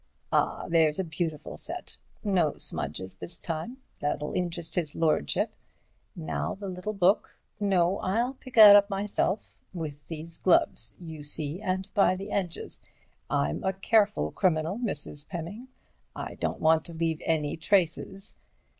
Ah! there's a beautiful set. No smudges this time. That'll interest his lordship. Now the little book—no, I'll pick that up myself—with these gloves, you see, and by the edges—I'm a careful criminal, Mrs. Pemming, I don't want to leave any traces.